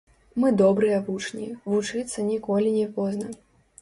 Мы добрыя вучні, вучыцца ніколі не позна.